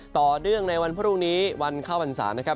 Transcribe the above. ต่อเนื่องในวันพรุ่งนี้วันเข้าพรรษานะครับ